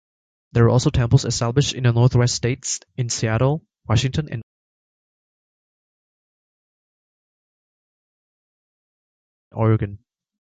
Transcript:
There were also temples established in the Northwest states, in Seattle, Washington and Oregon.